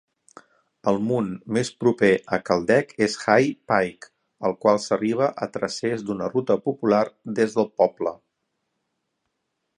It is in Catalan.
El munt més proper a Caldeck és High Pike, al qual s'arriba a tracés d'una ruta popular des del poble.